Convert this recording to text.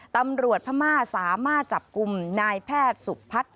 ตำรวจพม่าสามารถจับกลุ่มนายแพทย์สุพัฒน์